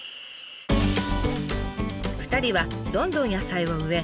２人はどんどん野菜を植え